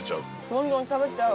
どんどん食べちゃう。